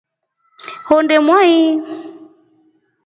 Honde mwai.